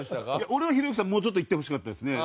俺はひろゆきさんもうちょっといってほしかったですね。